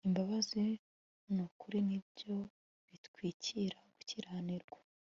imbabazi n'ukuri nibyo bitwikira gukiranirwa